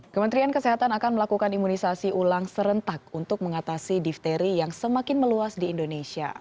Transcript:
kementerian kesehatan akan melakukan imunisasi ulang serentak untuk mengatasi difteri yang semakin meluas di indonesia